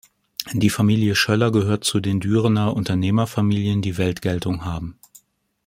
Die Familie Schoeller gehört zu den Dürener Unternehmerfamilien, die Weltgeltung haben.